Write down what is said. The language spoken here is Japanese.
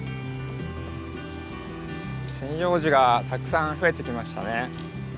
針葉樹がたくさん増えてきましたね。